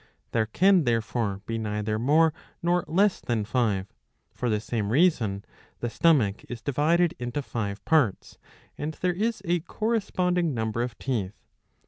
There can, therefore, be neither more nor less than five. For the same reason the stomach is divided into five parts, and there is a corresponding number of teeth.